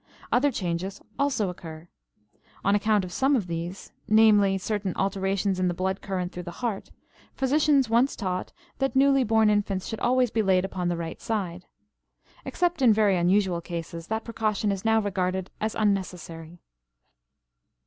Other changes also occur. On account of some of these, namely, certain alterations in the blood current through the heart, physicians once taught that newly born infants should always be laid upon the right side. Except in very unusual cases, that precaution is now regarded as unnecessary.